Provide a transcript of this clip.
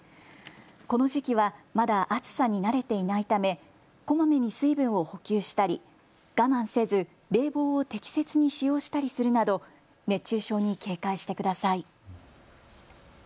この時期はまだ暑さに慣れていないためこまめに水分を補給したり我慢せず冷房を適切に使用したりするなど熱中症に警戒してください。